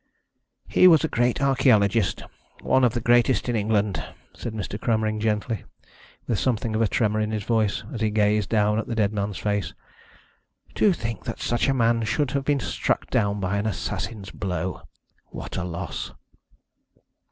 "He was a great archæologist one of the greatest in England," said Mr. Cromering gently, with something of a tremor in his voice, as he gazed down at the dead man's face. "To think that such a man should have been struck down by an assassin's blow. What a loss!"